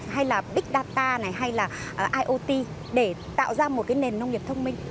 hay là big data này hay là iot để tạo ra một cái nền nông nghiệp thông minh